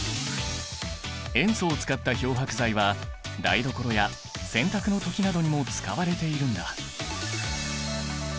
塩素を使った漂白剤は台所や洗濯の時などにも使われているんだ。